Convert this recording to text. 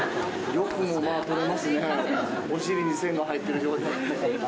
よくもまあ撮れますね、お尻に線が入ってる状態で。